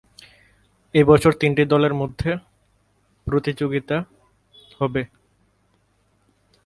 এই বছর তিনটি দলের মধ্যে প্রতিযোগিতা হবে।